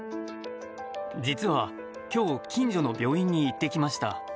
実は、今日近所の病院に行ってきました。